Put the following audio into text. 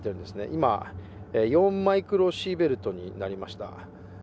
今、４マイクロシーベルトになりました。